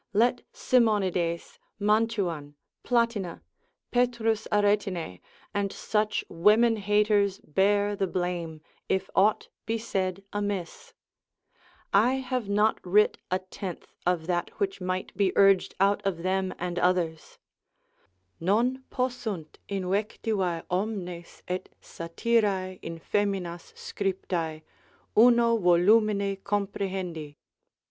let Simonides, Mantuan, Platina, Pet. Aretine, and such women haters bare the blame, if aught be said amiss; I have not writ a tenth of that which might be urged out of them and others; non possunt invectivae omnes, et satirae in foeminas scriptae, uno volumine comprehendi.